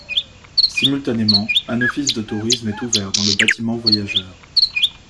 Simultanément, un office de tourisme est ouvert dans le bâtiment voyageurs.